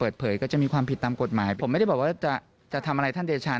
ตอนนี้เขามองว่าพี่เต้เหมือนใช้